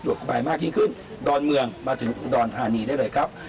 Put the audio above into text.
สบายมากยิ่งขึ้นดอนเมืองมาถึงอุดรธานีได้เลยครับ